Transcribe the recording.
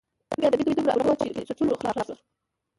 ـ د ابۍ دومره اګوره وه ،چې په څټلو خلاصه شوه.